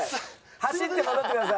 走って戻ってください。